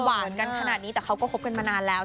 หวานกันขนาดนี้แต่เขาก็คบกันมานานแล้ว